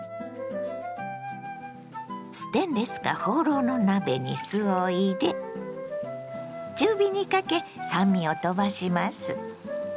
ステンレスかホウロウの鍋に酢を入れ中火にかけ酸味をとばします。